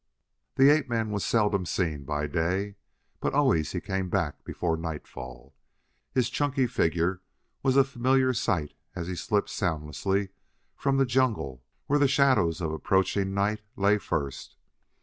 The ape man was seldom seen by day, but always he came back before nightfall; his chunky figure was a familiar sight as he slipped soundlessly from the jungle where the shadows of approaching night lay first.